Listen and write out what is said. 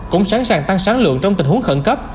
cũng sẵn sàng tăng sáng lượng trong tình huống khẩn cấp